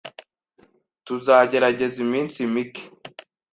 Tuzagerageza iminsi mike.